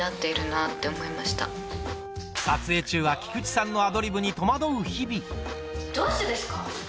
撮影中は菊池さんのアドリブに戸惑う日々どうしてですか？